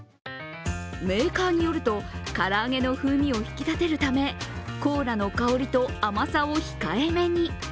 メーカーによると、唐揚げの風味を引き立てるため、コーラの香りと甘さを控えめに。